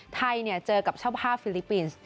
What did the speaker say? ไทยเจอกับเจ้าภาพฟิลิปปินส์